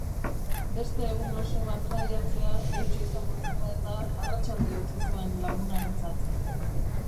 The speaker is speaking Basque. Beste egun oso bat jai hartzea gehitxo izango zela-eta arratsaldea utzi zuen lagunarentzat.